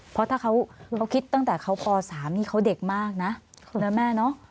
เพราะถ้าเขาคิดตั้งแต่เขาป๓นี่เขาเด็กมากนะแม่เนอะ